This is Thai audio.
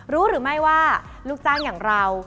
รู้หรือไม่ว่าลูกจ้างอย่างเรา